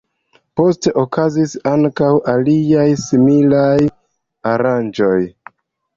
Poste okazis ankaŭ aliaj similaj aranĝoj.